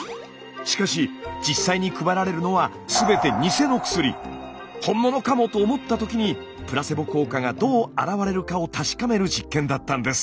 しかし実際に配られるのは「本物かも」と思った時にプラセボ効果がどうあらわれるかを確かめる実験だったんです。